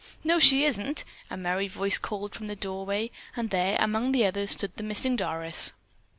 "No, she isn't," a merry voice called from the doorway, and there, among the others, stood the missing Doris.